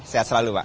sehat selalu pak